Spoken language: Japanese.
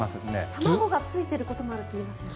卵がついてることもあるっていいますよね。